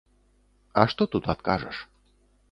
А што тут адкажаш?